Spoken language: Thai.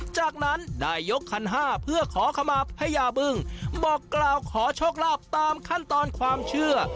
จากนั้นได้ยกคันห้าเพื่อขอขมาพญาบึ้งบอกกล่าวขอโชคลาภตามขั้นตอนความเชื่อ